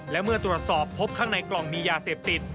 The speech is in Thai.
และเมื่อตรวจสอบพบข้างในกล่องมียาเสพติด